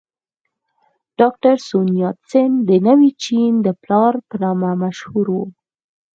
ډاکټر سون یات سن د نوي چین د پلار په نامه مشهور و.